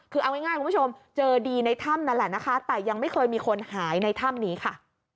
คือเอาง่ายคุณผู้ชมเจอดีในถ้ำนั่นแหละนะคะแต่ยังไม่เคยมีคนหายในถ้ำนี้ค่ะ